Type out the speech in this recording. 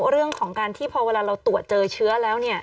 เรื่องของการที่พอเวลาเราตรวจเจอเชื้อแล้ว